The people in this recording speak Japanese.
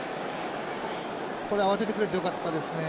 ここで慌ててくれてよかったですね。